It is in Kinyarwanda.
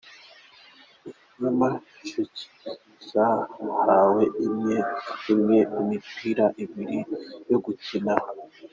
Nyamasheke, zahawe imwe imwe imipira ibiri yo gukina.